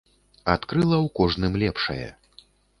Адкрыла ў кожным лепшае.